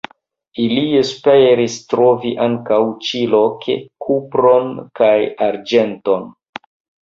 Ili esperis trovi ankaŭ ĉi-loke kupron kaj arĝenton.